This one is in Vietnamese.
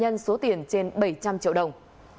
tòa nân số tiền trên bảy trăm linh triệu đồng